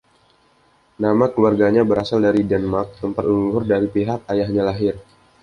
Nama keluarganya berasal dari Denmark, tempat leluhur dari pihak ayahnya lahir.